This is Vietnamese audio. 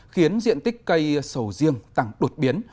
khiến diện tích cây sầu riêng tăng đột biến